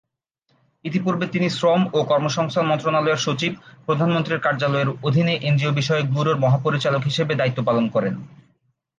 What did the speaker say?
ইতিপূর্বে তিনি শ্রম ও কর্মসংস্থান মন্ত্রণালয়ের সচিব, প্রধানমন্ত্রীর কার্যালয়ের অধীনে এনজিও বিষয়ক ব্যুরোর মহাপরিচালক হিসাবে দায়িত্ব পালন করেন।